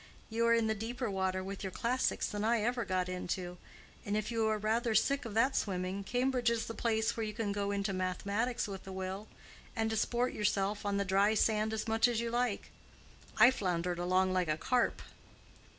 You are in the deeper water with your classics than I ever got into, and if you are rather sick of that swimming, Cambridge is the place where you can go into mathematics with a will, and disport yourself on the dry sand as much as you like. I floundered along like a carp."